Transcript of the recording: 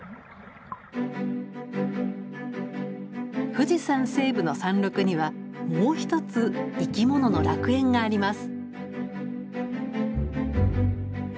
富士山西部の山麓にはもう一つ生き物の楽園があります。